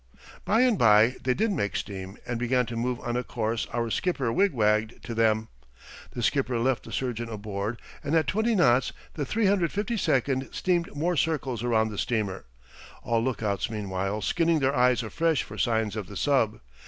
By and by they did make steam and begin to move on a course our skipper wigwagged to them. The skipper left the surgeon aboard, and at twenty knots the 352 steamed more circles around the steamer, all lookouts meanwhile skinning their eyes afresh for signs of the sub.